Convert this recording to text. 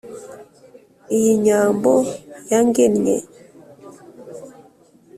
Iyi Nyambo yangennye